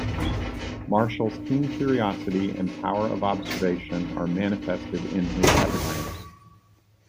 Martial's keen curiosity and power of observation are manifested in his epigrams.